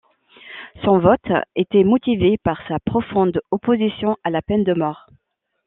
Son vote était motivé par sa profonde opposition à la peine de mort.